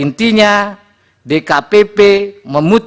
oleh karenanya pada pengaduan ini telah dibuktikan sejumlah faktor